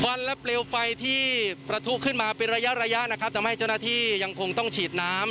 วันและเปลวไฟที่ประทุขึ้นมาเป็นระยะระยะนะครับทำให้เจ้าหน้าที่ยังคงต้องฉีดน้ำ